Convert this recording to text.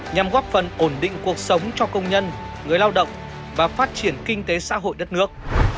nhằm góp phần ổn định cuộc sống cho công nhân người lao động và phát triển kinh tế xã hội đất nước